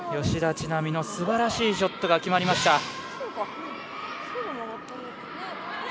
吉田知那美のすばらしいショット決まりました。